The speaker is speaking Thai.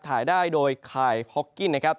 ถ่ายได้โดยคายพอกกิ้นนะครับ